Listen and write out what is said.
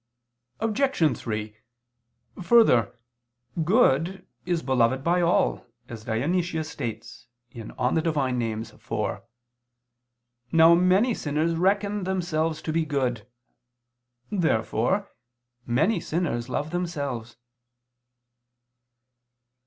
Obj. 3: Further, good is beloved by all, as Dionysius states (Div. Nom. iv). Now many sinners reckon themselves to be good. Therefore many sinners love themselves.